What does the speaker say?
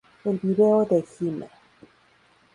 El vídeo de "Gimme!